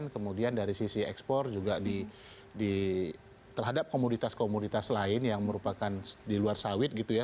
kemudian dari sisi ekspor juga terhadap komoditas komoditas lain yang merupakan di luar sawit gitu ya